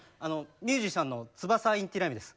ミュージシャンのツバサ・インティライミです。